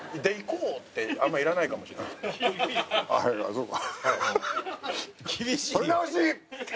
そうか。